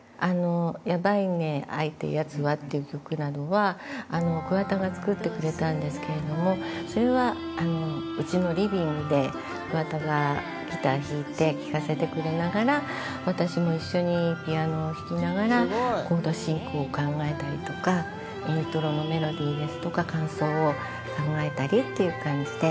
『ヤバいね愛てえ奴は』っていう曲などは桑田が作ってくれたんですけれどもそれはうちのリビングで桑田がギター弾いて聴かせてくれながら私も一緒にピアノを弾きながらコード進行を考えたりとかイントロのメロディーですとか間奏を考えたりっていう感じで。